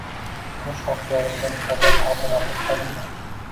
Urush haqida yozilgan kitoblar taqdimoti o‘tkazildi